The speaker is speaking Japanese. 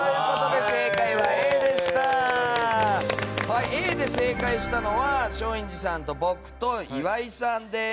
Ａで正解したのは松陰寺さんと僕と岩井さんです。